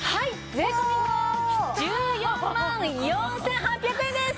税込１４万４８００円です！